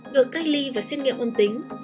được cây ly và xét nghiệm ôn tính